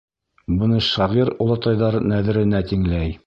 Быны шағир олатайҙар нәҙеренә тиңләй: